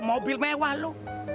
mobil mewah lu